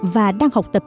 và đang học tập